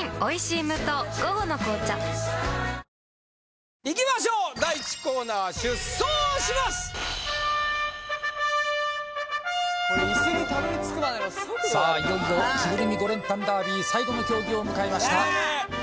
いよいよ着ぐるみ５連単ダービー最後の競技を迎えました